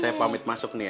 saya pamit masuk nih ya